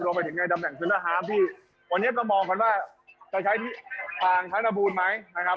รวมไปถึงในตำแหน่งธรรมดาฮาร์ฟที่วันนี้ก็มองว่าจะใช้ทางธรรมบูรณ์ไหมนะครับ